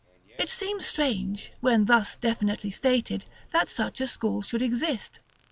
It seems strange, when thus definitely stated, that such a school should exist.